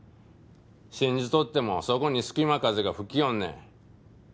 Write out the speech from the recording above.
信じとってもそこに隙間風が吹きよるねん。